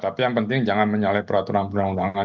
tapi yang penting jangan menyalahi peraturan perundang undangan